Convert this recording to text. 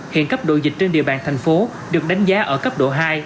hiện cấp độ dịch trên địa bàn thành phố được đánh giá ở cấp độ hai